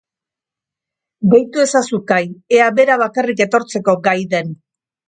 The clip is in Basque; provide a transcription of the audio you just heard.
Deitu ezazu Kai ea bera bakarrik etortzeko gai den.